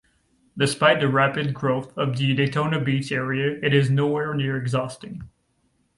Despite the rapid growth of the Daytona Beach area, it is nowhere near exhausting.